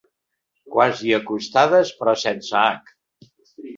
Quasi acostades, però sense h.